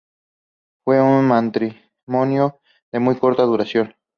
Fue un matrimonio de muy corta duración.